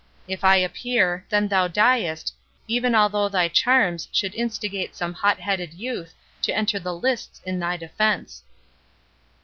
If I appear, then thou diest, even although thy charms should instigate some hot headed youth to enter the lists in thy defence."